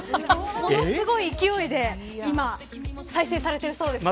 ものすごい勢いで今再生されているそうです。